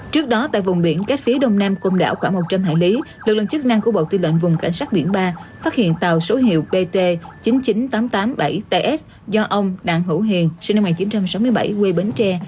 trước đó tại vùng biển cách phía đông nam côn đảo khoảng một trăm linh hải lý lực lượng chức năng của bộ tư lệnh vùng cảnh sát biển ba phát hiện tàu số hiệu bt chín mươi chín nghìn tám trăm tám mươi bảy ts do ông đặng hữu hiền sinh năm một nghìn chín trăm sáu mươi bảy quê bến tre